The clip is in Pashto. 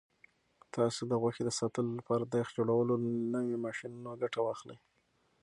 تاسو د غوښې د ساتلو لپاره د یخ جوړولو له نویو ماشینونو ګټه واخلئ.